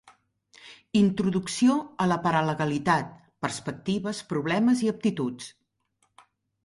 Introducció a la paralegalitat: perspectives, problemes i aptituds.